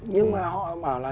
nhưng mà họ bảo là